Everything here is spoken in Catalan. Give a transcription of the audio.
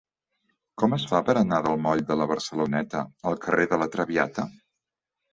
Com es fa per anar del moll de la Barceloneta al carrer de La Traviata?